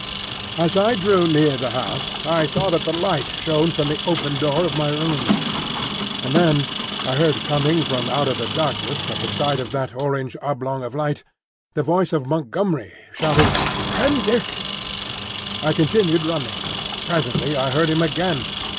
As I drew near the house I saw that the light shone from the open door of my room; and then I heard coming from out of the darkness at the side of that orange oblong of light, the voice of Montgomery shouting, "Prendick!" I continued running. Presently I heard him again.